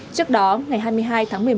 trước đó ngày hai mươi hai tháng một mươi một